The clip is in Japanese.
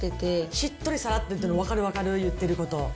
しっとりさらって、分かる、分かる、言ってること。